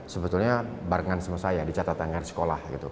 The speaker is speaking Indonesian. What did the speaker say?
sebetulnya barengan sama saya di catatan sekolah gitu